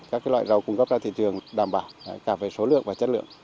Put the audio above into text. các loại rau cung cấp ra thị trường đảm bảo cả về số lượng và chất lượng